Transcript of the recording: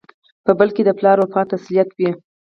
په بل کې یې د پلار وفات تسلیت وي.